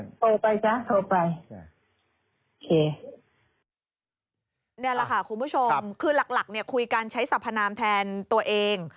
นี่แหละค่ะคุณผู้ชมขึ้นหลักเนี่ยคุยกันใช้สรรผนามแทนตัวเอง